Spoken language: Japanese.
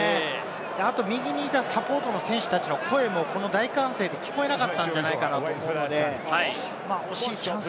あと右にいたサポートの選手たちの声も、この大歓声で聞こえなかったんじゃないかなということで、惜しいチャンス。